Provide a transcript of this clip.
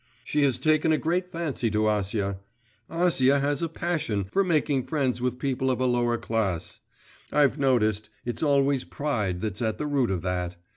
She has taken a great fancy to Acia. Acia has a passion for making friends with people of a lower class; I've noticed, it's always pride that's at the root of that.